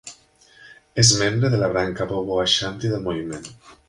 És membre de la branca Bobo Ashanti del moviment.